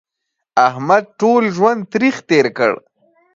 احمد ټول ژوند تریخ تېر کړ.